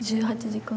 １８時間？